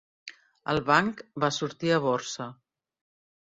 El banc va sortir a borsa.